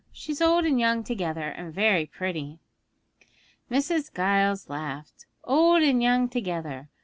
She's old and young together, and very pretty.' Mrs. Giles laughed. 'Old and young together!